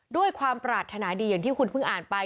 ด้วยความปรารถนาดีอย่างที่คุณเพิ่งอ่านไป